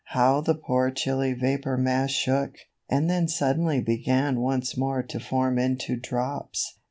How the poor chilly vapor mass shook, and then suddenly began once more to form into drops.